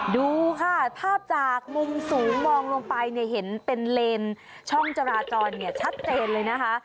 ดูค่ะภาพจากมุมสูงมองลงไปเนี่ยเห็นเป็นเลนช่องจราจรเนี่ยชัดเจนเลยนะคะ